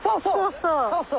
そうそう！